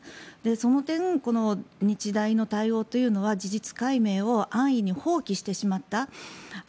その点この日大の対応というのは事実解明を安易に放棄してしまった。